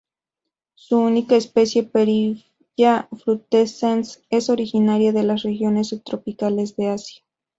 Su única especie "Perilla frutescens", es originaria de las regiones subtropicales de Asia.